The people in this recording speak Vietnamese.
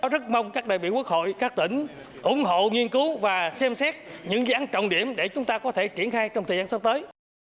rất mong các đại biểu quốc hội các tỉnh ủng hộ nghiên cứu và xem xét những dự án trọng điểm để chúng ta có thể triển khai trong thời gian sắp tới